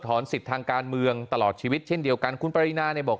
สิทธิ์ทางการเมืองตลอดชีวิตเช่นเดียวกันคุณปรินาเนี่ยบอก